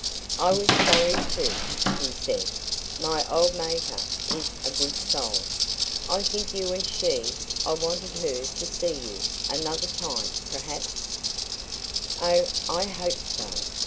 "I was sorry too," he said. "My old mater is a good soul. I think you and she I wanted her to see you. Another time, perhaps " "Oh, I hope so!